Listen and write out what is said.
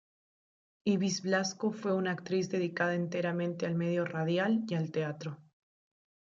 Ibis Blasco fue una actriz dedicada enteramente al medio radial y al teatro.